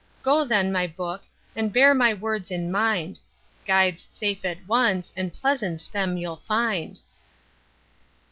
Go then, my book, and bear my words in mind; Guides safe at once, and pleasant them you'll find.